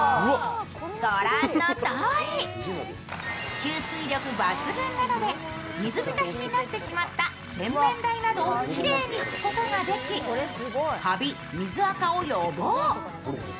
吸水力抜群なので水浸しになってしまった洗面台などをきれいに拭くことができ、カビ、水あかを予防。